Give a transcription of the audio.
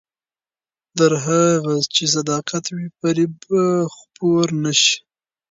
تر هغه چې صداقت وي، فریب به خپور نه شي.